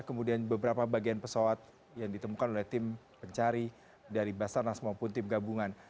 kemudian beberapa bagian pesawat yang ditemukan oleh tim pencari dari basarnas maupun tim gabungan